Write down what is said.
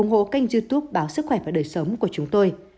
ủng hộ kênh youtube báo sức khỏe và đời sống của chúng tôi